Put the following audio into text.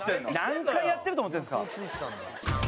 何回やってると思ってるんですか！